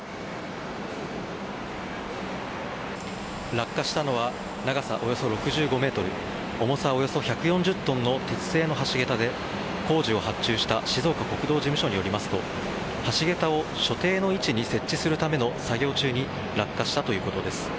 落下したのは長さおよそ６５ｍ重さおよそ１４０ｔの鉄製の橋げたで工事を発注した静岡国道事務所によりますと橋げたを所定の位置に設置するための作業中に落下したということです。